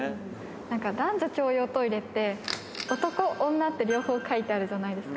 なんか、男女共用トイレって、男、女って、両方書いてあるじゃないですか。